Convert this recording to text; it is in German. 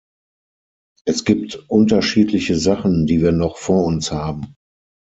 Es gibt unterschiedliche Sachen, die wir noch vor uns haben.